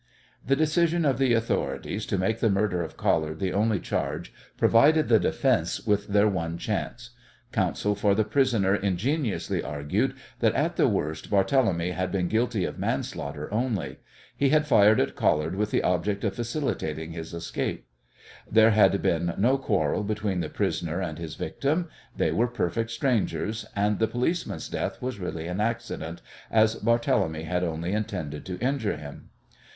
The decision of the authorities to make the murder of Collard the only charge provided the defence with their one chance. Counsel for the prisoner ingeniously argued that at the worst Barthélemy had been guilty of manslaughter only. He had fired at Collard with the object of facilitating his escape. There had been no quarrel between the prisoner and his victim; they were perfect strangers, and the policeman's death was really an accident, as Barthélemy had only intended to injure him.